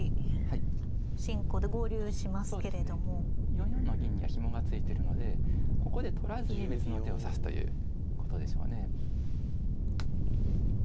４四の銀にはひもが付いてるのでここで取らずに別の手を指すということでしょうね。